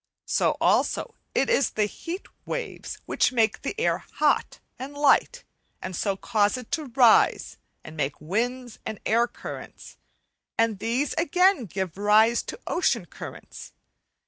So also it is the heat waves which make the air hot and light, and so cause it to rise and make winds and air currents, and these again give rise to ocean currents.